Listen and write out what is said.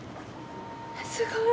すごい！